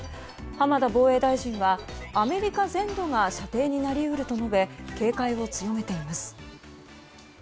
浜田防衛大臣は、アメリカ全土が射程になり得ると述べ警戒を強めています。